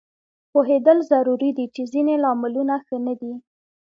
پوهېدل ضروري دي چې ځینې لاملونه ښه نه دي